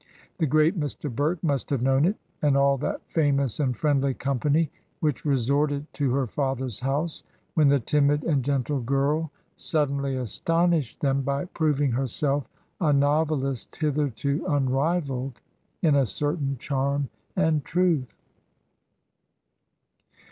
The great Mr. Burke must have known it, and all that famous and friendly company which resorted to her father's house when the timid and gentle girl suddenly astonished them by proving her self a novehst hitherto unrivalled in a certain charm and truth.